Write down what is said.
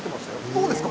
どうですか？